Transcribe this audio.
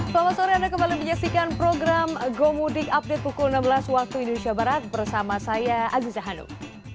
selamat sore anda kembali menyaksikan program gomudik update pukul enam belas waktu indonesia barat bersama saya aziza hanum